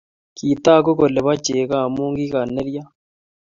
Kitoku kole bo cheko amu kikanerio